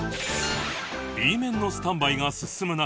Ｂ 面のスタンバイが進む中